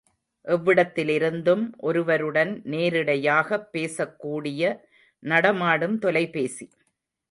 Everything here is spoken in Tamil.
எவ்விடத்திலிருந்தும் ஒருவருடன் நேரிடையாகப் பேசக் கூடிய நடமாடும் தொலைபேசி.